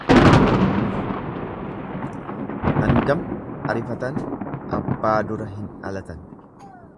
Hangam arifatan abbaa dura hin dhalatan.